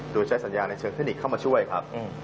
โดยจะได้สัญญาณในเชิงฮอล์นิกเข้ามาช่วยครับ